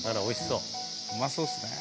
うまそうっすねぇ。